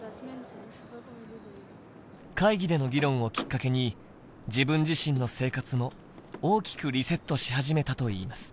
会議での議論をきっかけに自分自身の生活も大きくリセットし始めたといいます。